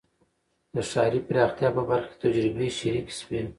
د ښاري پراختیا په برخه کې تجربې شریکې شوې.